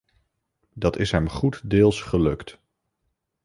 Dat is hem goeddeels gelukt.